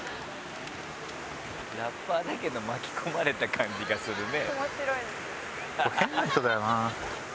ラッパーだけど巻き込まれた感じがするね。